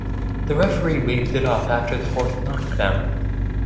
The referee waived it off after the fourth knockdown.